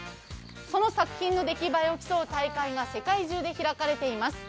その作品の出来栄えを競う大会が世界中で開かれています。